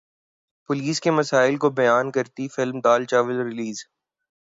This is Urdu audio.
پولیس کے مسائل کو بیان کرتی فلم دال چاول ریلیز